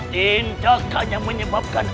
tindakan yang menyebabkan